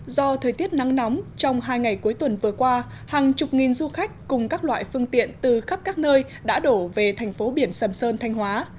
do thời tiết nắng nóng trong hai ngày cuối tuần vừa qua hàng chục nghìn du khách cùng các loại phương tiện từ khắp các nơi đã đổ về thành phố biển sầm sơn thanh hóa